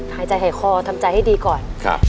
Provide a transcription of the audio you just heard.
หายใจหายคอทำใจให้ดีก่อน